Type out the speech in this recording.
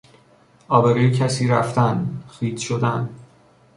آبروی کسی رفتن، خیط شدن